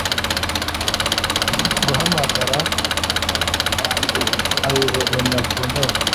guhamagara ayijugynya kuntebe